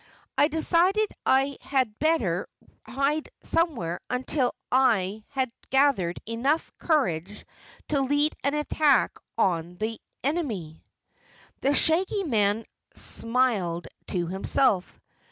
I decided I had better hide somewhere until I had gathered enough courage to lead an attack on the enemy." The Shaggy Man smiled to himself.